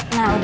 nah udah jadi